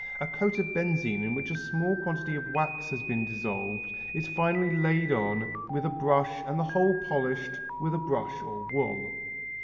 A coat of benzine in which a small quantity of wax has been dissolved is finally laid on with a brush and the whole polished with a brush or wool.